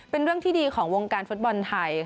เป็นเรื่องที่ดีของวงการฟุตบอลไทย